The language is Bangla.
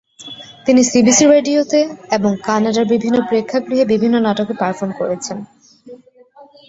তিনি সিবিসি রেডিওতে এবং কানাডার বিভিন্ন প্রেক্ষাগৃহে বিভিন্ন নাটকে পারফর্ম করেছেন।